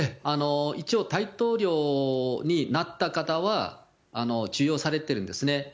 一応、大統領になった方は、授与されてるんですね。